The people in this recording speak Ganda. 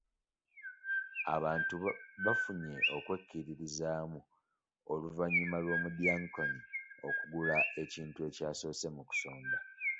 Abantu bafunye okwekkiririzaamu oluvannyuma lw'omudyankoni okugula ekintu ekyasoose mu kusonda.